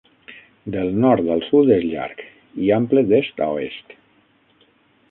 Del nord al sud és llarg i ample d'est a oest.